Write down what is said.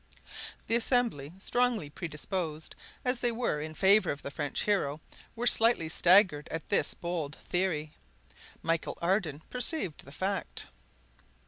The assembly, strongly predisposed as they were in favor of the French hero, were slightly staggered at this bold theory. Michel Ardan perceived the fact.